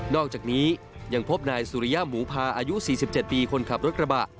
อกจากนี้ยังพบนายสุริยะหมูพาอายุ๔๗ปีคนขับรถกระบะ